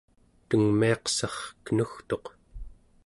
tengmiaqsar kenugtuq